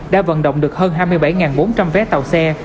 đã vận động được hơn hai mươi bảy bốn trăm linh vé tàu xe